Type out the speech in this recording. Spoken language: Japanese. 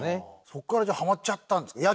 そこからじゃあハマっちゃったんですか？